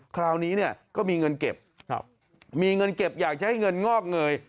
คราวนี้เนี่ยก็มีเงินเก็บมีเงินเก็บอยากจะให้เงินงอกเงย